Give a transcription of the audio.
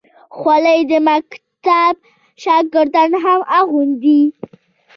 خولۍ د مکتب شاګردان هم اغوندي.